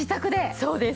そうです。